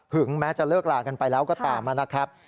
แม้จะเลิกลากันไปแล้วก็ตามนะครับ